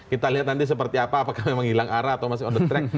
kita lihat nanti seperti apa apakah memang hilang arah atau masih on the track